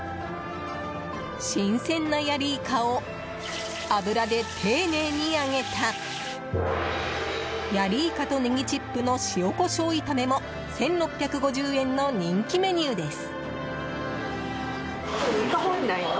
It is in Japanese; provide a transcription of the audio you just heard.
新鮮なヤリイカを油で丁寧に揚げたヤリイカとネギチップの塩胡椒炒めも１６５０円の人気メニューです。